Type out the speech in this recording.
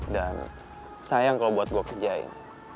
dan sayang kalau buat gue kerjain